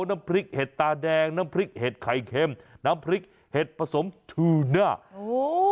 น้ำพริกเห็ดตาแดงน้ำพริกเห็ดไข่เค็มน้ำพริกเห็ดผสมทูน่าโอ้